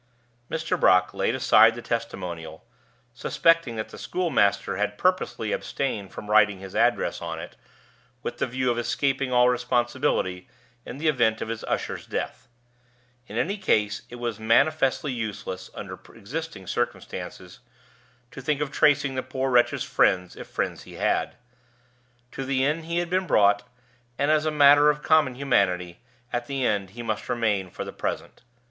Mr. Brock laid aside the testimonial, suspecting that the schoolmaster had purposely abstained from writing his address on it, with the view of escaping all responsibility in the event of his usher's death. In any case, it was manifestly useless, under existing circumstances, to think of tracing the poor wretch's friends, if friends he had. To the inn he had been brought, and, as a matter of common humanity, at the inn he must remain for the present.